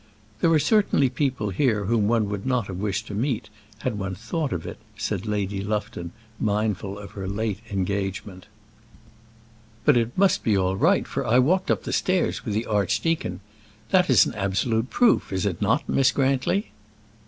"There certainly are people here whom one would not have wished to meet, had one thought of it," said Lady Lufton, mindful of her late engagement. "But it must be all right, for I walked up the stairs with the archdeacon. That is an absolute proof, is it not, Miss Grantly?"